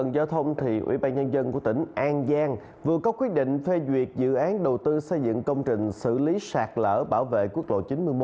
chương trình phê duyệt dự án đầu tư xây dựng công trình xử lý sạt lỡ bảo vệ quốc lộ chín mươi một